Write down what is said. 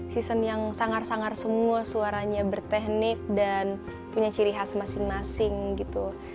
season yang sangar sangar semua suaranya berteknik dan punya ciri khas masing masing gitu